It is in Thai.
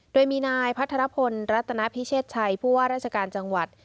โดยมีนายพัทรพลรัตนาพิเชษชัยผู้ว่าราชการจังหวัด